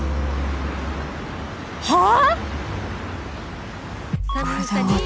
はあ！？